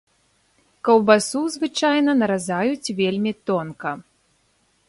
Каўбасу звычайна наразаюць вельмі тонка.